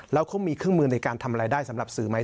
แล้วเขามีเครื่องมือในการทำอะไรได้สำหรับสื่อไหม